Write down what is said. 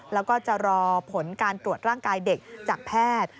แล้วก็จะรอผลการตรวจร่างกายเด็กจากแพทย์